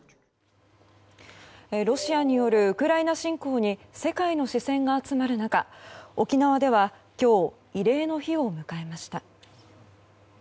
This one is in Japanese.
ロシアによるウクライナ侵攻に世界の視線が集まる中沖縄では今日慰霊の日を迎えました。